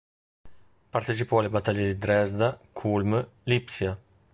Partecipò alle battaglie di Dresda, Kulm, Lipsia.